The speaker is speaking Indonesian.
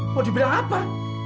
mau dibilang apa